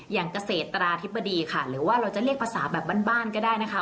อย่างเกษตราธิบดีค่ะหรือว่าเราจะเรียกภาษาแบบบ้านก็ได้นะคะ